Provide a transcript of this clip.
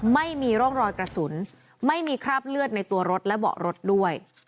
ไม่มีร่องรอยกระสุนไม่มีคราบเลือดในตัวรถและเบาะรถด้วย